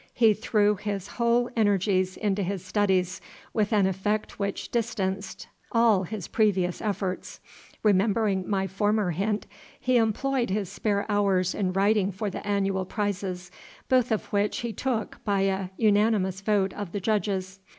He threw his whole energies into his studies with an effect which distanced all his previous efforts. Remembering my former hint, he employed his spare hours in writing for the annual prizes, both of which he took by a unanimous vote of the judges.